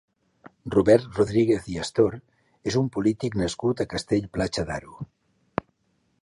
Robert Rodríguez i Astor és un polític nascut a Castell-Platja d'Aro.